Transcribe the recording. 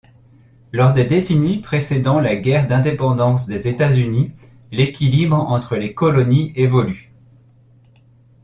Lors des décennies précédant la guerre d'indépendance des États-Unis, l'équilibre entre les colonies évolue.